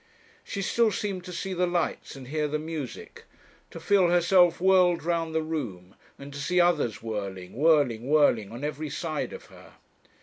She still seemed to see the lights and hear the music, to feel herself whirled round the room, and to see others whirling, whirling, whirling on every side of her.